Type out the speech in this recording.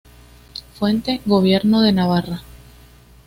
Fuente: Gobierno de Navarra.